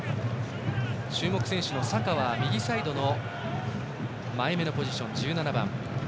注目選手のサカは右サイドの前めのポジション、１７番。